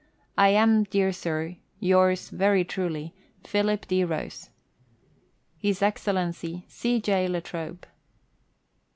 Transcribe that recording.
And am, dear Sir, Yours very truly, PHILIP D. ROSE. His Excellency C. J. La Trobe.